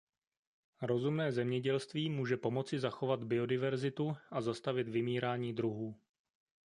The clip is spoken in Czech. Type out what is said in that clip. Rozumné zemědělství může pomoci zachovat biodiverzitu a zastavit vymírání druhů.